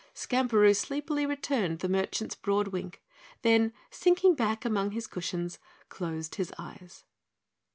Skamperoo sleepily returned the merchant's broad wink, then, sinking back among his cushions, closed his eyes.